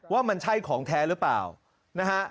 ว่ามันใช่ของแท้หรือเปล่านะฮะ